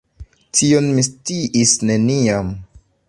Tion mi sciis neniam.